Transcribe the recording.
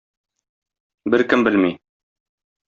Беркем белми.